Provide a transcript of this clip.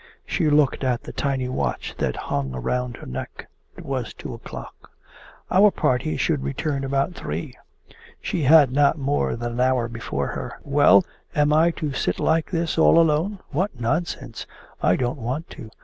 She looked at the tiny watch that hung round her neck. It was two o'clock. 'Our party should return about three!' She had not more than an hour before her. 'Well, am I to sit like this all alone? What nonsense! I don't want to.